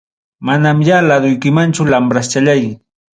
Manamya laduykimanchu lambraschallay.